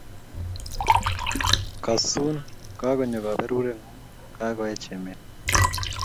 Kasun, kakonyo kaberuret ng'ung' kakoech emet.